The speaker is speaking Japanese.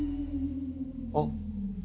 あっ。